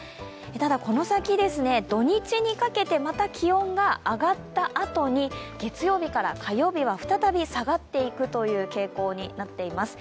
ただ、この先、土日にかけてまた気温が上がったあとに月曜日から火曜日は、再び下がっていく傾向になっています。